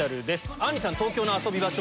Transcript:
あんりさん東京の遊び場所